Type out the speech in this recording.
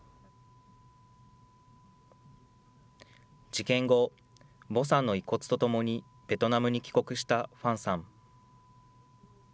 事件後、ヴォさんの遺骨とともにベトナムに帰国したファンさん。